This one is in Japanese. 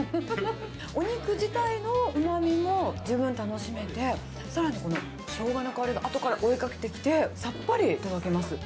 お肉自体のうまみも十分楽しめて、さらにこのしょうがの香りがあとから追いかけてきて、さっぱりいただけます。